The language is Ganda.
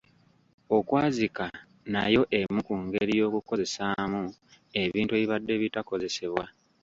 Okwazika nayo emu ku ngeri y'okukozesaamu ebintu ebibadde bitakozesebwa.